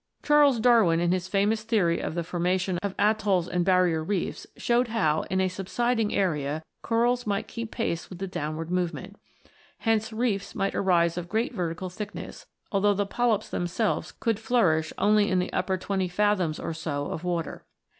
Charles Darwin, in his famous theory of the for mation of atolls and barrier reefs, showed how, in a subsiding area, corals might keep pace with the downward movement. Hence reefs might arise of great vertical thickness, although the polypes them selves could flourish only in the upper twenty fathoms or so of water.